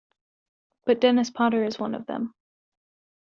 But Dennis Potter is one of them.